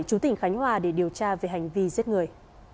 chú tỉnh khánh hòa để điều tra về hành vi giết người